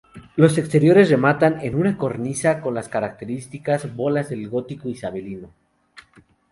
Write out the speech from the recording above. Los exteriores rematan en una cornisa con las características bolas del Gótico isabelino.